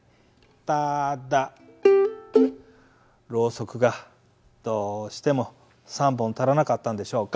ただろうそくがどうしても３本足らなかったんでしょうか。